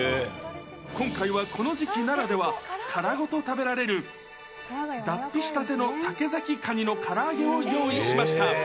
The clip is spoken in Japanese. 今回はこの時期ならでは、殻ごと食べられる、脱皮したての竹崎カニのから揚げを用意しました。